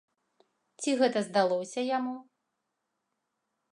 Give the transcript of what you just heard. Ці гэта здалося яму?